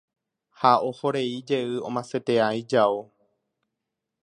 Ha ohorei jey omasetea ijao.